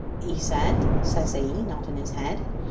he said, says he, nodding his head.